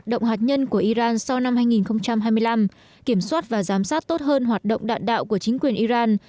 động hạt nhân của iran sau năm hai nghìn hai mươi năm kiểm soát và giám sát tốt hơn hoạt động đạn đạo của chính quyền iran